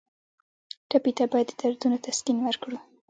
ټپي ته باید د دردونو تسکین ورکړو.